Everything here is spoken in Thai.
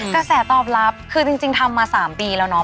กระแสตอบรับคือจริงทำมา๓ปีแล้วเนาะ